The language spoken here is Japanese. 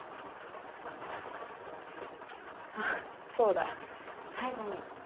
あっそうだ最後に。